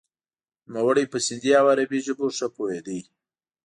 نوموړی په سندهي او عربي ژبو ښه پوهیده.